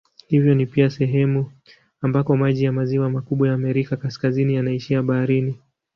Hivyo ni pia sehemu ambako maji ya maziwa makubwa ya Amerika Kaskazini yanaishia baharini.